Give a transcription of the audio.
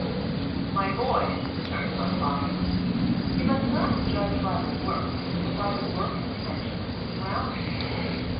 "My boy," returned my father, "you must not judge by the work, but by the work in connection with the surroundings.